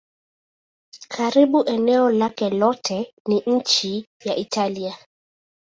Karibu eneo lake lote ni nchi ya Italia.